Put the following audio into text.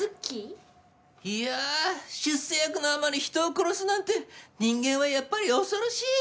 いや出世欲のあまり人を殺すなんて人間はやっぱり恐ろしい。